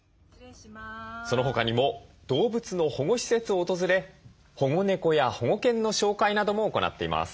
そのほかにも動物の保護施設を訪れ保護猫や保護犬の紹介なども行っています。